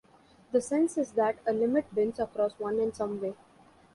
The sense is that a limit bends across one in some way.